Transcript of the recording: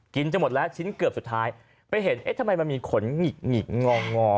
จะหมดแล้วชิ้นเกือบสุดท้ายไปเห็นเอ๊ะทำไมมันมีขนหงิกหงิกงองอ